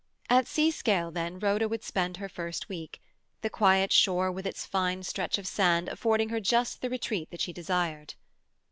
At Seascale, then, Rhoda would spend her first week, the quiet shore with its fine stretch of sand affording her just the retreat that she desired.